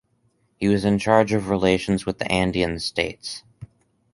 He was in charge of relations with the Andean states.